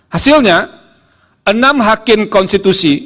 hasilnya enam hakim konstitusi